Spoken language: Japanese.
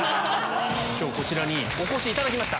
今日こちらにお越しいただきました。